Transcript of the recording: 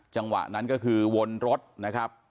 จังหวะนั้นก็คือวนรถนะครับ